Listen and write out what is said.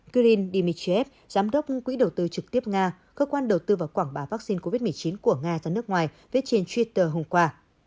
green dmitryev giám đốc quỹ đầu tư trực tiếp nga cơ quan đầu tư và quảng bá vaccine covid một mươi chín của nga ra nước ngoài viết trên twitter hôm qua